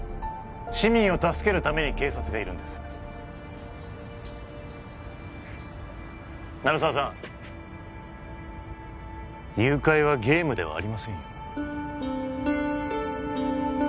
市民を助けるために警察がいるんです鳴沢さん誘拐はゲームではありませんよ